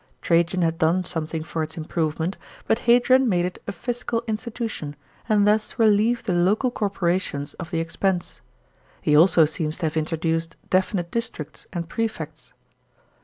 Trajan had done something for its improvement, but Hadrian made it a fiscal institution, and thus relieved the local corporations of the expense. He also seems to have introduced definite districts and prefects.